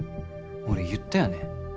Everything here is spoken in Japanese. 俺言ったよね？